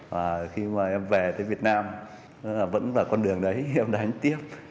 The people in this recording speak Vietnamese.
và khi mà em về tới việt nam vẫn là con đường đấy hiện đánh tiếp